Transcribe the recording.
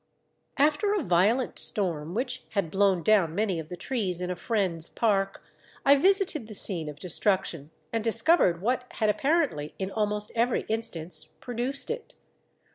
After a violent storm which had blown down many of the trees in a friend's park, I visited the scene of destruction and discovered what had apparently in almost every instance produced it.